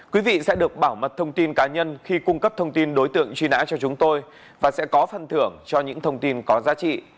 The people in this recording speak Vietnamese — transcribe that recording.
quý vị sẽ được bảo mật thông tin cá nhân khi cung cấp thông tin đối tượng truy nã cho chúng tôi và sẽ có phần thưởng cho những thông tin có giá trị